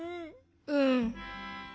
うん。